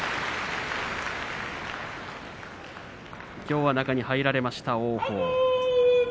きょうは中に入られました王鵬です。